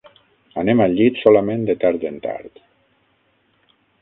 Anem al llit solament de tard en tard.